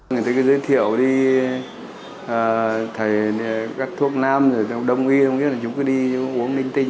người ta cứ giới thiệu đi các thuốc nam đông y chúng cứ đi uống ninh tinh